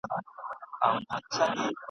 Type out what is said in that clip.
د بشر په نوم ياديږي ..